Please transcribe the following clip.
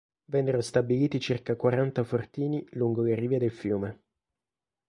Vennero stabiliti circa quaranta fortini lungo le rive del fiume.